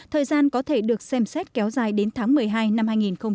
thời gian có thể được xem xét kéo dài đến tháng một mươi hai năm hai nghìn hai mươi